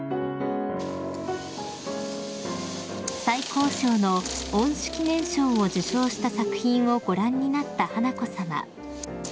［最高賞の恩賜記念賞を受賞した作品をご覧になった華子さま］